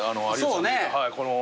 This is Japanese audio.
そうね。